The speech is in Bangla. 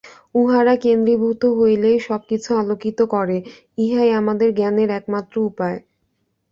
উহারা কেন্দ্রীভূত হইলেই সব কিছু আলোকিত করে, ইহাই আমাদের জ্ঞানের একমাত্র উপায়।